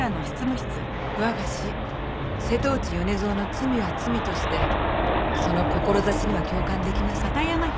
我が師瀬戸内米蔵の罪は罪としてその志には共感できましたから。